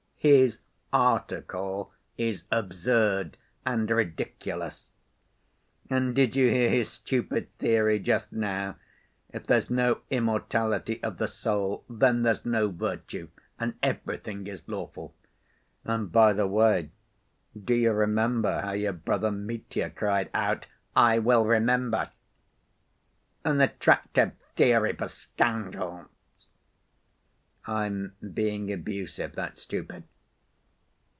His article is absurd and ridiculous. And did you hear his stupid theory just now: if there's no immortality of the soul, then there's no virtue, and everything is lawful. (And by the way, do you remember how your brother Mitya cried out: 'I will remember!') An attractive theory for scoundrels!—(I'm being abusive, that's stupid.)